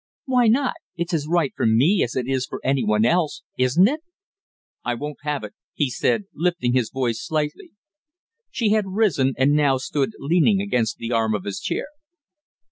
"Why not? It's as right for me as it is for any one else, isn't it?" "I won't have it!" he said, lifting his voice slightly. She had risen and now stood leaning against the arm of his chair.